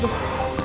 gak tau apa apa